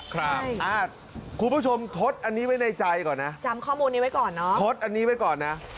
ครับคุณผู้ชมทดอันนี้ไว้ในใจก่อนนะทดอันนี้ไว้ก่อนนะ